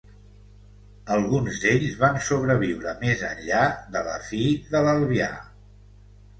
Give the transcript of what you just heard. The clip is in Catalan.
Alguns d'ells van sobreviure més enllà de la fi de l'Albià.